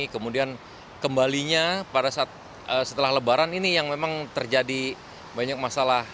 kemudian kembalinya pada saat setelah lebaran ini yang memang terjadi banyak masalah